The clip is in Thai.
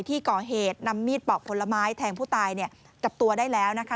ที่ก่อเหตุนำมีดปอกผลไม้แทงผู้ตายเนี่ยจับตัวได้แล้วนะคะ